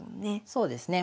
そうですね。